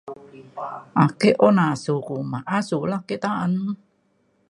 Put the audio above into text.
Ake un asu kum asu la ke taan.